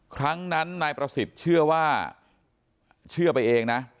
ครั้งนั้นนายประสิทธิ์เชื่อว่าเชื่อไปเองนะ